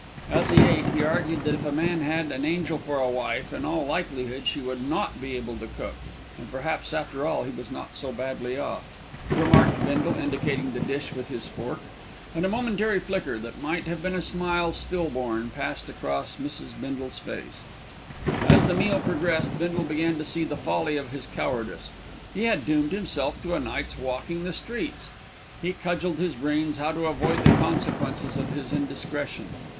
As he ate he argued that if a man had an angel for a wife, in all likelihood she would not be able to cook, and perhaps after all he was not so badly off. "There ain't many as can beat yer at this 'ere game," remarked Bindle, indicating the dish with his fork; and a momentary flicker that might have been a smile still born passed across Mrs. Bindle's face. As the meal progressed Bindle began to see the folly of his cowardice. He had doomed himself to a night's walking the streets. He cudgelled his brains how to avoid the consequences of his indiscretion.